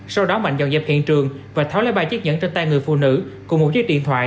sau đó mạnh dọn dẹp hiện trường và tháo lấy ba chiếc nhẫn trên tay người phụ nữ cùng một chiếc điện thoại